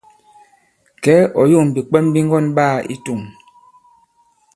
Kɛ̌, ɔ̀ yȏŋ bìkwɛm bi ŋgɔ̑n ɓaā i tȗŋ.